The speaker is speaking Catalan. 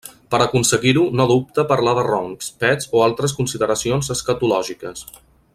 Per aconseguir-ho no dubta a parlar de roncs, pets o altres consideracions escatològiques.